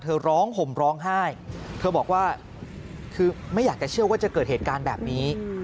ร้องห่มร้องไห้เธอบอกว่าคือไม่อยากจะเชื่อว่าจะเกิดเหตุการณ์แบบนี้